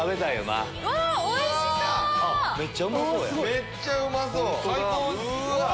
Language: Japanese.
めっちゃうまそうや。